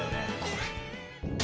これ。